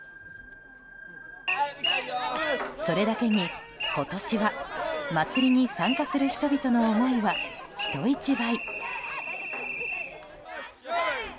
それだけに今年は祭りに参加する人々の思いは人一倍。